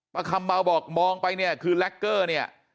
คำเบาบอกมองไปเนี่ยคือแล็กเกอร์เนี่ย